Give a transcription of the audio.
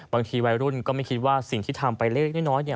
บางทีวัยรุ่นก็ไม่คิดว่าสิ่งที่ทำไปเล็กน้อยเนี่ย